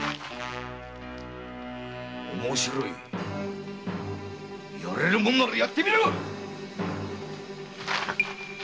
面白いやれるものならやってみろい！